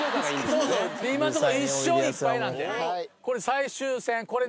これ最終戦。